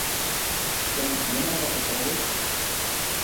سەن نېمانداق ھاكاۋۇر!